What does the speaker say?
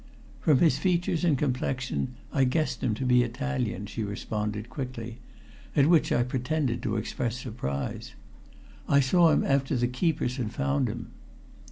"From his features and complexion I guessed him to be Italian," she responded quickly, at which I pretended to express surprise. "I saw him after the keepers had found him."